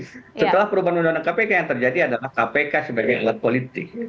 setelah perubahan undang undang kpk yang terjadi adalah kpk sebagai alat politik